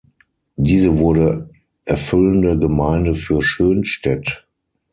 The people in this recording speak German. Diese wurde erfüllende Gemeinde für Schönstedt.